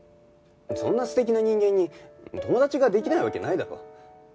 そんな素敵な人間に友達ができないわけないだろ。